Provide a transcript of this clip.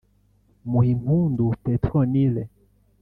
Muhimpundu Petronille